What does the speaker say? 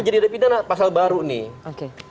jadi ada pidana pasal baru nih